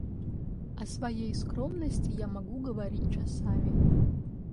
О своей скромности я могу говорить часами.